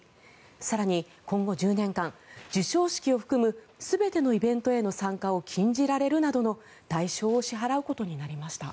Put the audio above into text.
更に今後１０年間授賞式を含む全てのイベントへの参加を禁じられるなどの代償を支払うことになりました。